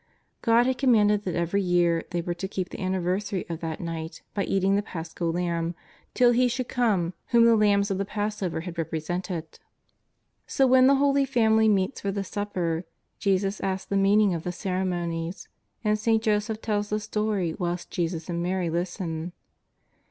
God had commanded that every year they were to keep the anniversary of that night by eating the Paschal lamb till He should come whom the lambs of the Passover had represented. So when the Holy Family meets for the supper, Jesus asks the meaning of the ceremonies, and St. Joseph tells the story whilst Jesus and Mary listen.